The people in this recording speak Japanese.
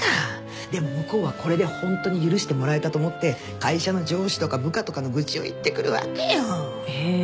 でも向こうはこれでホントに許してもらえたと思って会社の上司とか部下とかの愚痴を言ってくるわけよ。へ。